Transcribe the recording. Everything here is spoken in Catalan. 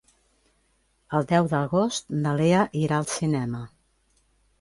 El deu d'agost na Lea irà al cinema.